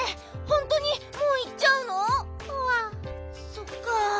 そっか。